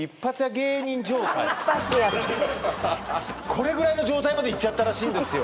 これぐらいの状態までいっちゃったらしいんですよ